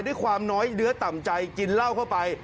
ด้วยความน้อยเนื้อต่ำใจกินเหล้าเข้าไป